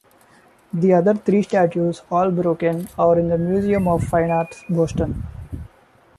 The other three statues, all broken, are in the Museum of Fine Arts, Boston.